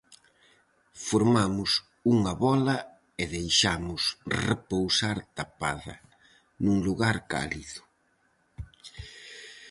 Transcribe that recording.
Formamos unha bola e deixamos repousar tapada, nun lugar cálido.